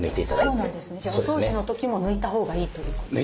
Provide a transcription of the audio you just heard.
じゃあお掃除の時も抜いたほうがいいということですね。